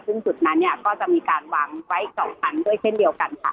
ซึ่งจุดนั้นเนี่ยก็จะมีการวางไว้๒ชั้นด้วยเช่นเดียวกันค่ะ